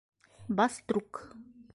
Баструк